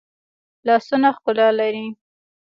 لاسونه ښکلا لري